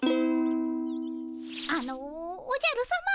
あのおじゃるさま。